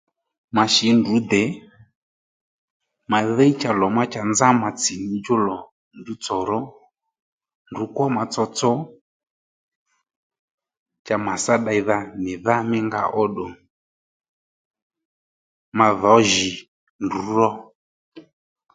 Ma shǐ ndrǔ de ma dhíy cha lò má cha nzá ma tsì nì djú lò ndrǔ tsò ró ndrǔ kwo ma tsotso cha mà tsá ddeydha nì dhá mí nga ó ddù ma dhǒ jǐ ndrǔ ró